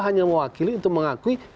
hanya mewakili untuk mengakui